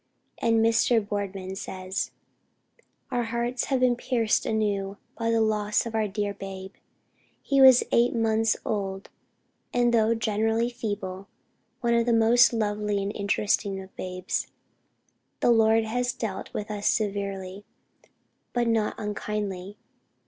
And Mr. Boardman says: "Our hearts have been pierced anew by the loss of our dear babe.... He was 8 months old, and though generally feeble, one of the most lovely and interesting of babes. The Lord has dealt with us severely, but not unkindly.